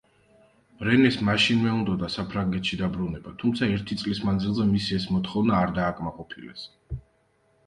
რენეს მაშინვე უნდოდა საფრანგეთში დაბრუნება თუმცა ერთი წლის მანძილზე მისი ეს მოთხოვნა არ დააკმაყოფილეს.